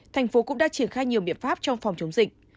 tp hcm cũng đã triển khai nhiều biện pháp trong phòng chống dịch